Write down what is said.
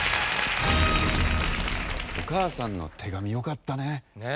お母さんの手紙よかったね。